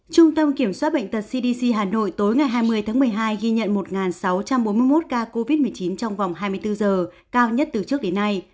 trung tâm kiểm soát bệnh tật cdc hà nội tối ngày hai mươi tháng một mươi hai ghi nhận một sáu trăm bốn mươi một ca covid một mươi chín trong vòng hai mươi bốn giờ cao nhất từ trước đến nay